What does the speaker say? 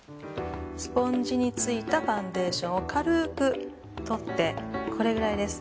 スポンジについたファンデーションを軽く取ってこれくらいです。